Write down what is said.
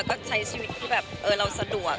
แล้วก็ใช้ชีวิตที่แบบเราสะดวก